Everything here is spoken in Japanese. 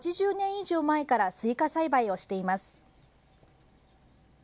以上前からスイカ栽培をしています。